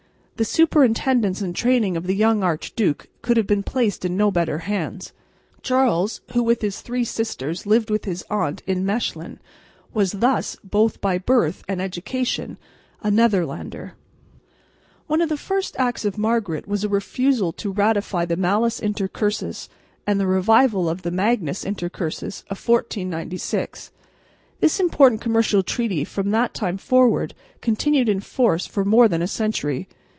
The superintendence and training of the young archduke could have been placed in no better hands. Charles, who with his three sisters lived with his aunt at Mechlin, was thus both by birth and education a Netherlander. One of the first acts of Margaret was a refusal to ratify the Malus Intercursus and the revival of the Magnus Intercursus of 1496. This important commercial treaty from that time forward continued in force for more than a century.